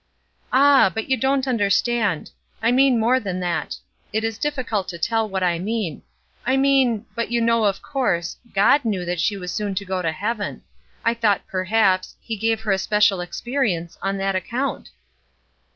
"Ah! but you don't understand; I mean more than that. It is difficult to tell what I mean; I mean but you know, of course, God knew that she was soon to go to heaven. I thought, perhaps, he gave her a special experience on that account."